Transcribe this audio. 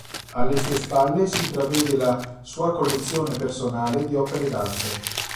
Alle sue spalle, si intravede la sua collezione personale di opere d'arte.